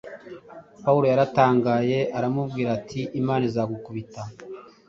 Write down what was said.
Pawulo yaratangaye aramubwira ati, “Imana izagukubita,